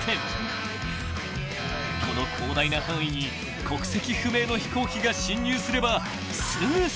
［この広大な範囲に国籍不明の飛行機が侵入すればすぐさま］